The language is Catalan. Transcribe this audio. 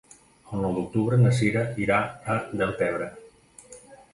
El nou d'octubre na Sira irà a Deltebre.